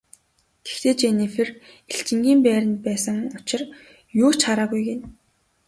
Гэхдээ Женнифер элчингийн байранд байсан учир юу ч хараагүй гэнэ.